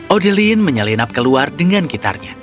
odeline menyelinap keluar dengan gitarnya